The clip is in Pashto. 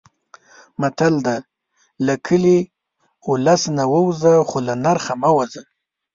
متل دی: له کلي، اولس نه ووځه خو له نرخه مه وځه.